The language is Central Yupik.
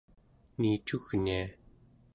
niicugnia